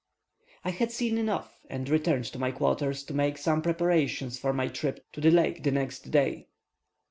I had seen enough, and returned to my quarters to make some preparations for my trip to the lake the next day.